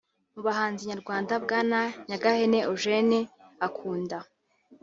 Mu bahanzi nyarwanda Bwana Nyagahene Eugene akunda